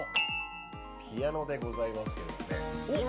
ピアノでございますけどね。